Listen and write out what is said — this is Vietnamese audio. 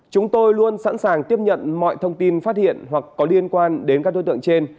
chúng tôi luôn sẵn sàng tiếp nhận mọi thông tin phát hiện hoặc có liên quan đến các đối tượng trên